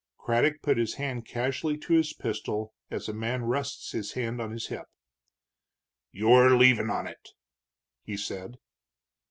Craddock put his hand casually to his pistol, as a man rests his hand on his hip. "You're leavin' on it," he said.